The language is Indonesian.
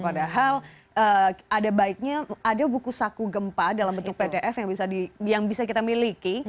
padahal ada baiknya ada buku saku gempa dalam bentuk pdf yang bisa kita miliki